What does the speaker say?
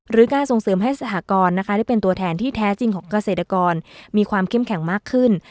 การส่งเสริมให้สหกรณ์นะคะได้เป็นตัวแทนที่แท้จริงของเกษตรกรมีความเข้มแข็งมากขึ้น